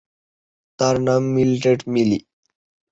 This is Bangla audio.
তার নাম মিলড্রেড "মিলি"।